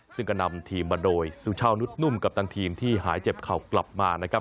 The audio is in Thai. ซึ่งก็นำทีมมาโดยสุชาวนุษนุ่มกัปตันทีมที่หายเจ็บเข่ากลับมานะครับ